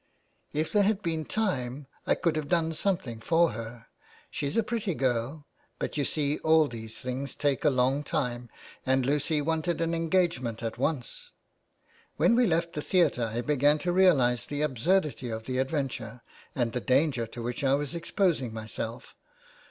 '' If there had been time I could have done something for her ; she's a pretty girl, but you see all these things take a long time, and Lucy wanted an engagement at once. When we left the Theatre 405 THE WAY BACK. I began to realize the absurdity of the adventure, and the danger to which I was exposing myself.